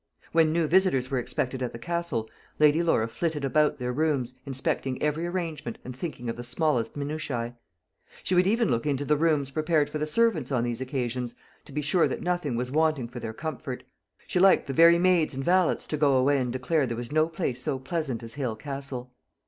When new visitors were expected at the Castle, Lady Laura flitted about their rooms, inspecting every arrangement, and thinking of the smallest minutiae. She would even look into the rooms prepared for the servants on these occasions, to be sure that nothing was wanting for their comfort. She liked the very maids and valets to go away and declare there was no place so pleasant as Hale Castle.